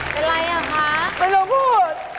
เป็นอะไรอ่ะคาไม่รับพูด